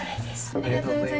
ありがとうございます。